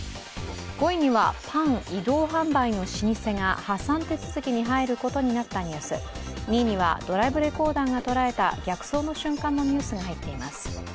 ５位にはパン移動販売の老舗が破産手続きに入ることになったニュース、２位にはドライブレコーダーが捉えた逆走の瞬間のニュースが入っています。